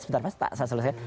sebentar saya selesaikan